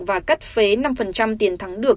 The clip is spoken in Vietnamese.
và cắt phế năm tiền thắng được